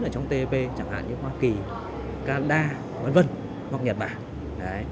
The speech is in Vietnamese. ở trong tpp chẳng hạn như hoa kỳ canada v v hoặc nhật bản